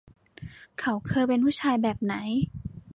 เขาเคยเป็นผู้ชายแบบไหน